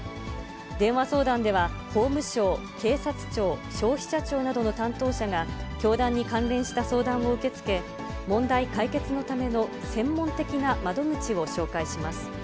電話相談では、法務省、警察庁、消費者庁などの担当者が、教団に関連した相談を受け付け、問題解決のための専門的な窓口を紹介します。